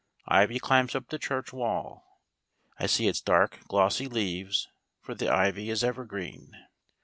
Ivy climbs up the church wall. I see its dark glossy leaves, for the ivy is evergreen.